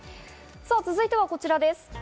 続いてはこちらです。